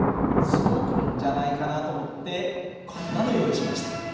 そう来るんじゃないかなと思ってこんなの用意しました。